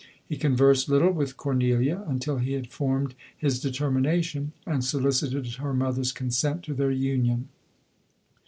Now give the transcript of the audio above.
He conversed little with Cor nelia until he had formed his determination, and solicited her mother's consent to their union.